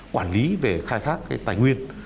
quản lý về khai thác tài nguyên